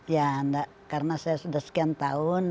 ya enggak karena saya sudah sekian tahun